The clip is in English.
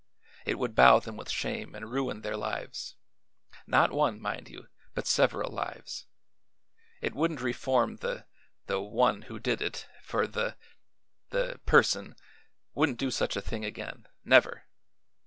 It would bow them with shame and ruin their lives not one, mind you, but several lives. It wouldn't reform the the one who did it, for the the person wouldn't do such a thing again; never!